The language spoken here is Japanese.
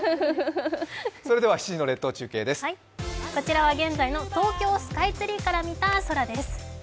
こちらは現在の東京スカイツリーから見た空です。